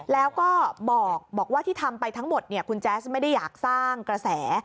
แล้วก็บอกว่าที่ทำไปทั้งหมดคุณแจ๊สไม่ได้อยากสร้างกระแส